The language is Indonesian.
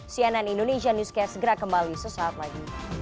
cnn indonesia newscast segera kembali sesaat lagi